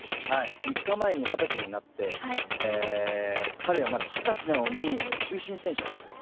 ３日前に二十歳になって彼はまだ二十歳なのに中心選手なんですよ。